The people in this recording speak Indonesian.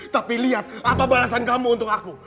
tapi lihat apa balasan kamu untuk aku